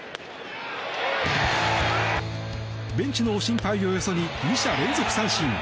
ベンチの心配をよそに２者連続三振。